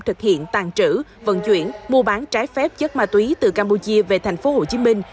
thực hiện tàn trữ vận chuyển mua bán trái phép chất ma túy từ campuchia về thành phố hồ chí minh